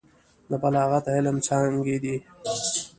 د بلاغت علم څانګې دي.